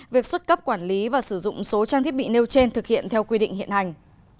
việc xuất cấp quản lý và sử dụng số trang thiết bị nêu trên thực hiện theo quy định hiện hành